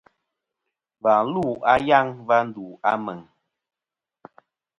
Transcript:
Và lu a yaŋ a va ndu a Meŋ.